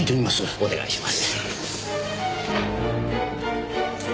お願いします。